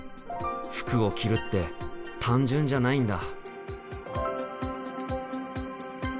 服を着るって単純じゃないんだ。